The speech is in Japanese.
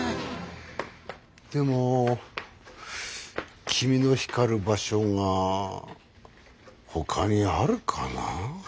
でも君の光る場所がほかにあるかな？